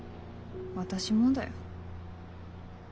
私もだよ。